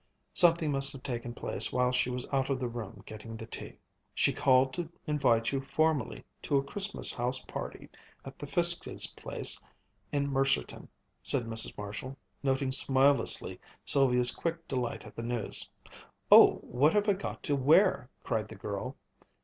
Something must have taken place while she was out of the room getting the tea. "She called to invite you formally to a Christmas house party at the Fiskes' place in Mercerton," said Mrs. Marshall, noting smilelessly Sylvia's quick delight at the news. "Oh, what have I got to wear!" cried the girl.